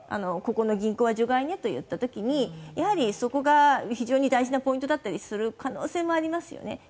ここの銀行は除外ねといった時にそこが非常に大事なポイントだったりする可能性がありますよね。